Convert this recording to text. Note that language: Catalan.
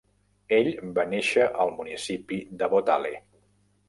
Ell va néixer al municipi de Botale.